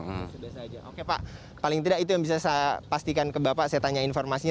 sudah saja oke pak paling tidak itu yang bisa saya pastikan ke bapak saya tanya informasinya